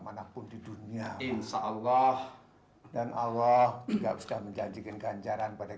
manapun di dunia insyaallah dan allah enggak sudah menjajikan kehajaran pada